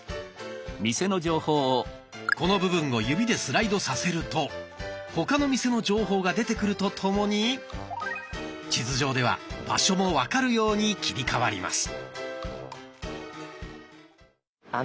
この部分を指でスライドさせると他の店の情報が出てくるとともに地図上では場所も分かるように切り替わります。